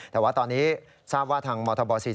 แต่ว่าตอนนี้ทางมธ๔๕